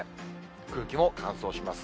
空気も乾燥します。